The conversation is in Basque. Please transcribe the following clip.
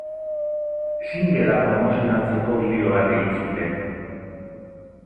Singlea promozionatzeko bideo bat egin zuten.